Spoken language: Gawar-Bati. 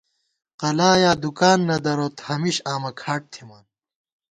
قلا یا دُکان نہ دروت ہمیش آمہ کھاٹ تھِمان